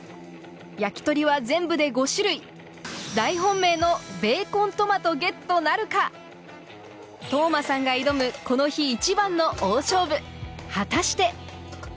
焼き鳥は全部で５種類大本命のベーコントマト當真さんが挑むこの日一番の果たして！